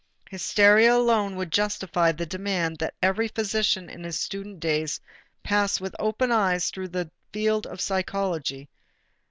Hysteria alone would justify the demand that every physician in his student days pass with open eyes through the field of psychology.